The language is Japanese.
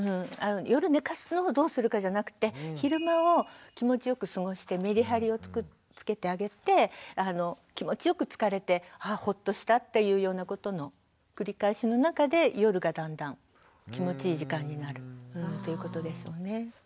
夜寝かすのをどうするかじゃなくて昼間を気持ちよく過ごしてメリハリをつけてあげて気持ちよく疲れてああほっとしたっていうようなことの繰り返しの中で夜がだんだん気持ちいい時間になるということですよね。